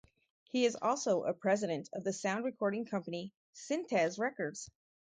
He is also a president of the sound recording company Sintez Records.